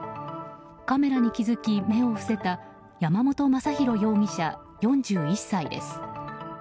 カメラに気づき目を伏せた山本将寛容疑者、４１歳です。